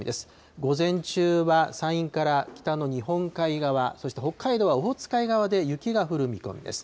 午前中は山陰から北の日本海側、そして北海道はオホーツク海側で雪が降る見込みです。